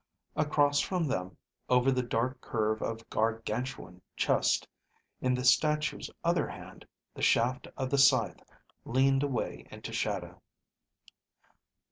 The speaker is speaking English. Across from them, over the dark curve of Gargantuan chest, in the statue's other hand, the shaft of the scythe leaned away into shadow.